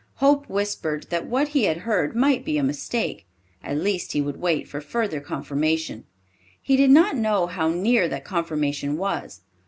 Hope whispered that what he had heard might be a mistake. At least he would wait for further confirmation. He did not know how near that confirmation was.